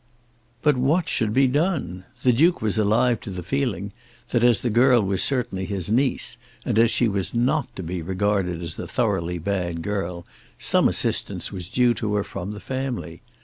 But what should be done? The Duke was alive to the feeling that as the girl was certainly his niece and as she was not to be regarded as a thoroughly bad girl, some assistance was due to her from the family.